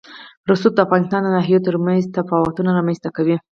رسوب د افغانستان د ناحیو ترمنځ تفاوتونه رامنځ ته کوي.